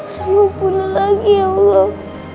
semoga lagi ya allah